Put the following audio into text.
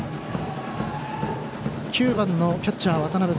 ９番のキャッチャー、渡辺。